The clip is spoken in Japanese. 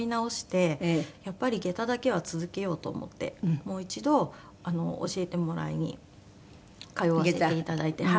やっぱり下駄だけは続けようと思ってもう一度教えてもらいに通わせていただいて。